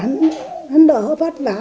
nó đỡ vất vả